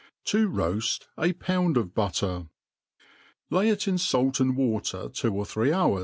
., Ta rnajl a Pound of Butter. LAY 2t inTalt apd water two or three hour?